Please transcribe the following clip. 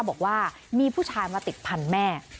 บอกว่ามีผู้ชายมาติดพันธุ์แม่